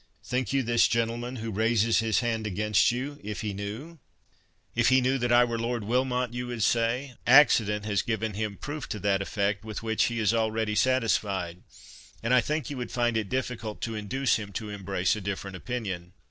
Think you this gentleman, who raises his hand against you, if he knew"— "If he knew that I were Lord Wilmot, you would say?—Accident has given him proof to that effect, with which he is already satisfied, and I think you would find it difficult to induce him to embrace a different opinion."